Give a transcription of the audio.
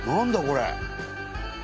これ。